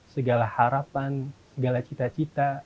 segala harapan segala cita cita